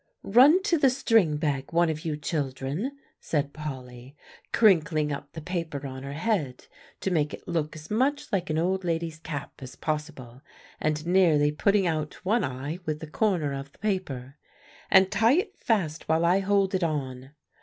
"Run to the string bag, one of you children," said Polly, crinkling up the paper on her head to make it look as much like an old lady's cap as possible, and nearly putting out one eye with the corner of the paper, "and tie it fast while I hold it on."